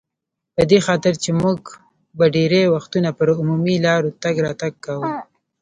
په دې خاطر چې موږ به ډېری وختونه پر عمومي لار تګ راتګ کاوه.